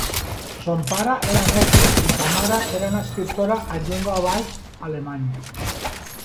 Son pare era mestre i sa mare era una escriptora en llengua baix alemanya.